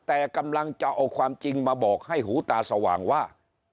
แต่กำลังจะเอาความจริงมาบอกให้หูตาสว่างว่า